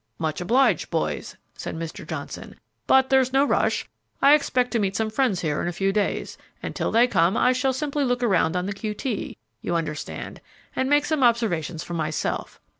"Much obliged, boys," said Mr. Johnson, "but there's no rush. I expect to meet some friends here in a few days, and till they come I shall simply look around on the q. t., you understand, and make some observations for myself.